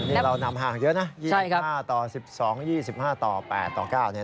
นี่เรานำห่างเยอะนะ๒๕ต่อ๑๒๒๕ต่อ๘ต่อ๙เนี่ย